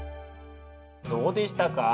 どうでしたか？